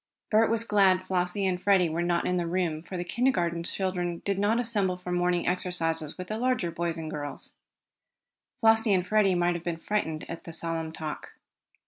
Bert was glad Flossie and Freddie were not in the room, for the kindergarten children did not assemble for morning exercises with the larger boys and girls. Flossie and Freddie might have been frightened at the solemn talk.